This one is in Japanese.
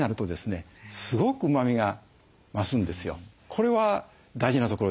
これは大事なところです。